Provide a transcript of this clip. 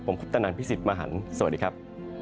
ผมคุปตนันพี่สิทธิ์มหันฯสวัสดีครับ